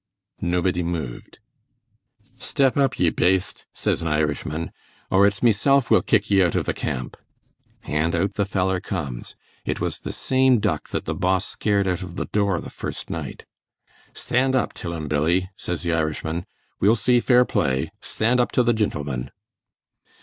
Nobody moved. 'Step up, ye baste,' says an Irishman, 'or it's mesilf will kick ye out of the camp.' And out the feller comes. It was the same duck that the Boss scared out of the door the first night. 'Sthand up till 'im Billie,' says the Irishman; 'we'll see fair play. Sthand up to the gintleman.'